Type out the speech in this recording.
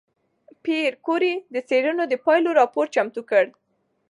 پېیر کوري د څېړنو د پایلو راپور چمتو کړ.